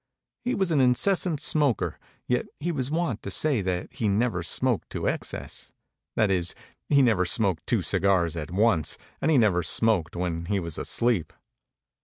He was an incessant smoker, yet he was wont to say that he never smoked to excess, that is, he never smoked two cigars at once and he never smoked when he was asleep.